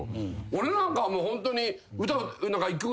俺なんかはもうホントに。